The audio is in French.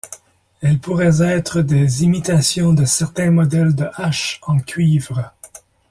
Elles pourraient être des imitations de certains modèles de haches en cuivre.